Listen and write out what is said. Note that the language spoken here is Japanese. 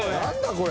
これ。